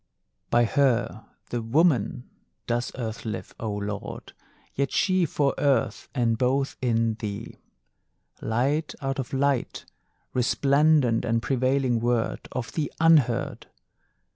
By her, the Woman, does Earth live, O Lord, Yet she for Earth, and both in thee. Light out of light! Resplendent and prevailing Word Of the Unheard!